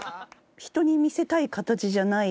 人に見せたい形じゃない。